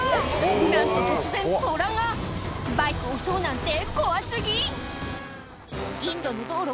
なんと突然トラがバイク襲うなんて怖過ぎインドの道路